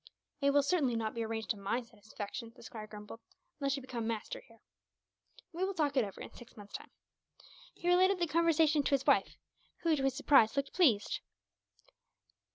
"It will certainly not be arranged to my satisfaction," the squire grumbled, "unless you become master here." "We will talk it over, in six months' time." He related the conversation to his wife who, to his surprise, looked pleased.